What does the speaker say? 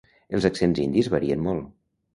Els accents indis varien molt.